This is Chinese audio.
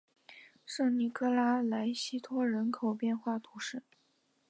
圣尼科拉莱西托人口变化图示